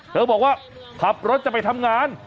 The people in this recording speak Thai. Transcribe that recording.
บอกว่าขับรถจะไปทำงาน